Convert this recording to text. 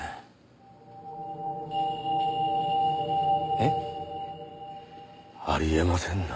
えっ？あり得ませんな。